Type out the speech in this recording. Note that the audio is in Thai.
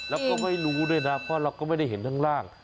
แล้วก็ไม่รู้ด้วยนะเพราะเราก็ไม่ได้เห็นข้างล่าง